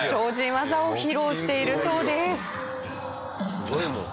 すごいもん。